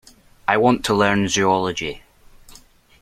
I want to learn Zoology.